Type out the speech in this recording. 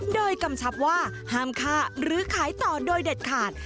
โดยกำชับว่าห้ามฆ่าหรือขายต่อโดยเด็ดขาด